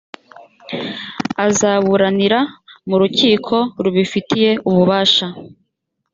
azaburanira mu rukiko rubifitiye ububasha